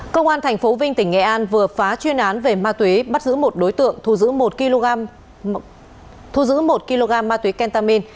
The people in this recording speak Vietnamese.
công an tp vinh tỉnh nghệ an vừa phá chuyên án về ma túy bắt giữ một đối tượng thu giữ một kg ma túy kentamin